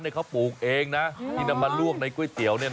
ได้ความอร่อยยังไม่น่าเชื่ออยากจะให้ได้อีกอย่างหนึ่ง